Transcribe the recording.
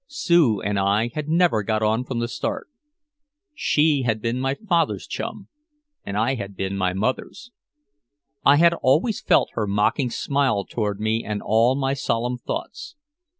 Sue and I had never got on from the start. She had been my father's chum and I had been my mother's. I had always felt her mocking smile toward me and all my solemn thoughts.